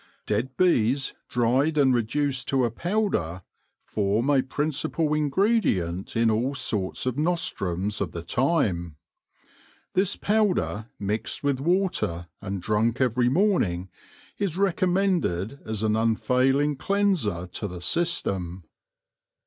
Dead bees, dried and reduced to a powder, form a principal ingredient in all sorts of nostrums of the time. This powder, mixed with water and drunk every morning, is recommended as an unfailing cleanser to the system.